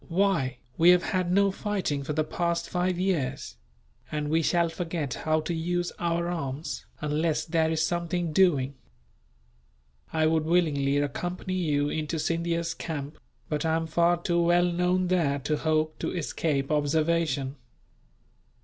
"Why, we have had no fighting for the past five years; and we shall forget how to use our arms, unless there is something doing. I would willingly accompany you into Scindia's camp, but I am far too well known there to hope to escape observation.